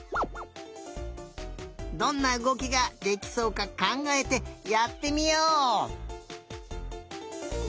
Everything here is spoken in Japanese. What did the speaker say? どんなうごきができそうかかんがえてやってみよう！